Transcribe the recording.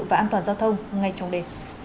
và an toàn giao thông ngay trong đề